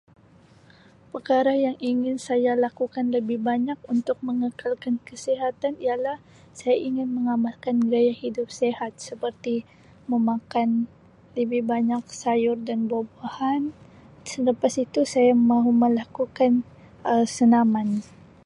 Perkara yang ingin saya lakukan lebih banyak untuk mengekalkan kesihatan ialah saya ingin mengamalkan gaya hidup sihat seperti memakan lebih banyak sayur dan buah-buahan. Selepas itu saya mahu melakukan Um senaman.